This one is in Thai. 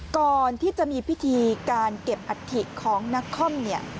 ก่อนที่จะมีพิธีการเก็บอัฐิของนักคอมเนี่ย